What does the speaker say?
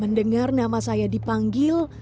mendengar nama saya dipanggil